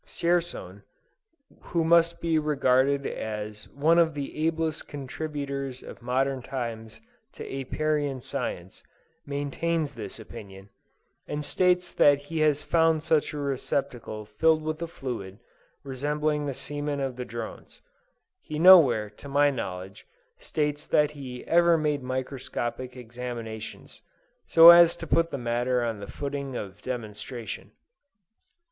Dzierzon, who must be regarded as one of the ablest contributors of modern times, to Apiarian science, maintains this opinion, and states that he has found such a receptacle filled with a fluid, resembling the semen of the drones. He nowhere, to my knowledge, states that he ever made microscopic examinations, so as to put the matter on the footing of demonstration.